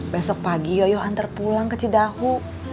besok pagi yoyoh antar pulang ke cedahu